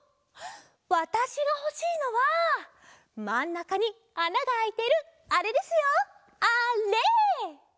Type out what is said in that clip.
わたしがほしいのはまんなかにあながあいてるあれですよあれ。